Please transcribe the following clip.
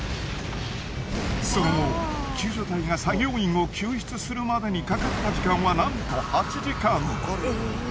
その後救助隊が作業員を救出するまでにかかった時間はなんと８時間！